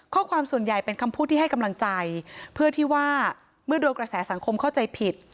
ส่วนใหญ่เป็นคำพูดที่ให้กำลังใจเพื่อที่ว่าเมื่อโดนกระแสสังคมเข้าใจผิด